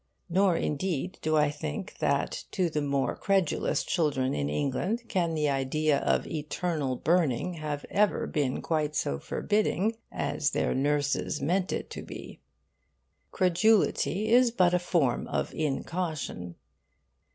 Nor indeed do I think that to the more credulous children in England can the idea of eternal burning have ever been quite so forbidding as their nurses meant it to be. Credulity is but a form of incaution.